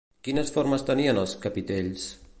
Quines formes tenien els capitells?